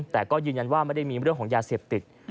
แต่ก็ยืนยันว่าไม่ได้มีเรื่องของยาเสพติด